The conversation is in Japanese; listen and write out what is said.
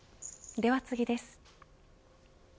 では次です。